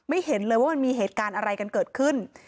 เห็นเลยว่ามันมีเหตุการณ์อะไรกันเกิดขึ้น